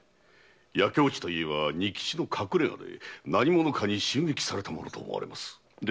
焼け落ちた家は仁吉の隠れ家で何者かに襲撃されたものと思われます。